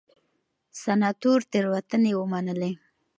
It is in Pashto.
سناتور تېروتنې ومنلې.